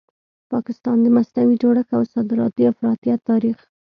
پاکستان؛ د مصنوعي جوړښت او صادراتي افراطیت تاریخ